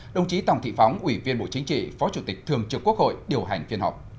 đồng chí tòng thị phóng ủy viên bộ chính trị phó chủ tịch thường trực quốc hội điều hành phiên họp